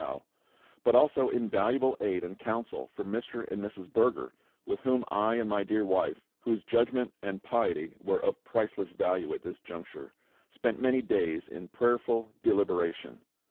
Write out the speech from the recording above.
Gough, but also invaluable aid and counsel from Mr. and Mrs. Berger, with whom I and my dear wife (whose judgment and piety were of priceless value at this juncture) spent many days in prayerful deliberation.